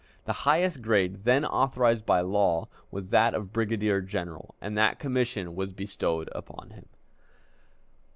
The highest grade then authorized by law was that of brigadier general, and that commission was bestowed upon him.